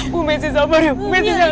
bu mesi sabar ya bu mesi jangan nangis